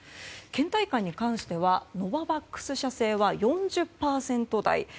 倦怠感に関してはノババックス社製は４０％台。